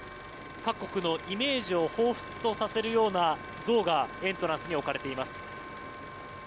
各国のイメージをほうふつとさせるような像がエントランスに置かれています。